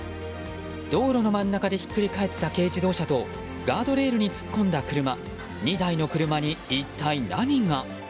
道路の真ん中でひっくり返った軽自動車とガードレールに突っ込んだ車２台の車に一体何が？